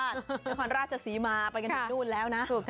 ไล้ยาวกว่าไปถึงเนี่ยค่ะโคลราชจะสีมาไปกันถึงนู่นแล้วนะ